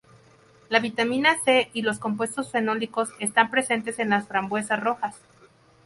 La vitamina C y los compuestos fenólicos están presentes en las frambuesas rojas.